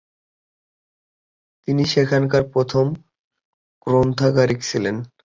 তিনি সেখানকার প্রথম গ্রন্থাগারিক ছিলেন।